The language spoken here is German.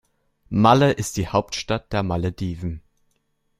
Malé ist die Hauptstadt der Malediven.